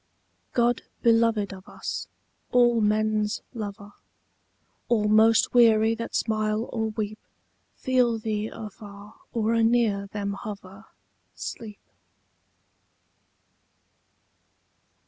God beloved of us, all men's lover, All most weary that smile or weep Feel thee afar or anear them hover, Sleep.